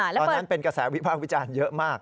ตอนนั้นเป็นกระแสวิพากษ์วิจารณ์เยอะมาก